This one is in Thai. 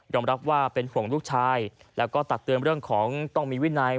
รับว่าเป็นห่วงลูกชายแล้วก็ตักเตือนเรื่องของต้องมีวินัย